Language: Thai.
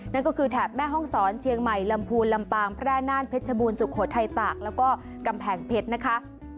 นั่นก็คือแถบแม่ห้องศรเชียงใหม่ลำพูนลำปางแพร่น่านเพชรบูรสุโขทัยตากแล้วก็กำแพงเพชรนะคะ